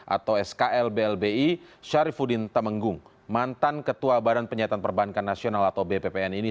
atau skl blbi syarifudin temenggung mantan ketua badan penyihatan perbankan nasional atau bppn ini